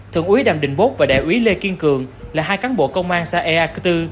thượng úy đàm đình bóp và đại úy lê kiên cường là hai cán bộ công an xã ia cư tư